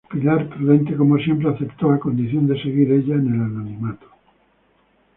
Pilar, prudente como siempre, aceptó a condición de seguir ella en el anonimato.